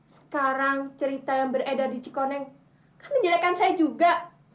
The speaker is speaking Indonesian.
sekarang cerita yang beredar di cikoneng kan menjelekan saya juga